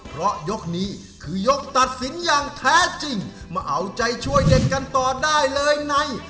เพราะยกนี้คือยกตัดสินอย่างแท้จริงมาเอาใจช่วยเด็กกันต่อได้เลยใน